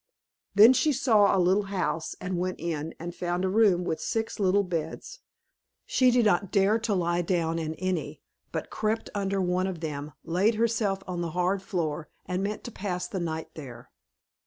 Then she saw a little house, and went in, and found a room with six little beds; she did not dare to lie down in any, but crept under one of them, laid herself on the hard floor, and meant to pass the night there.